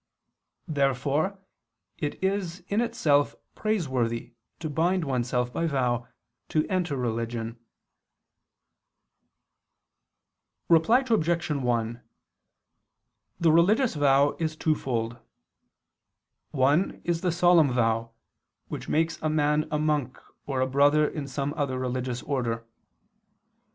Therefore it is in itself praiseworthy to bind oneself by vow to enter religion. Reply Obj. 1: The religious vow is twofold. One is the solemn vow which makes a man a monk or a brother in some other religious order.